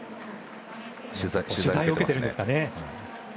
取材を受けてるんですかね。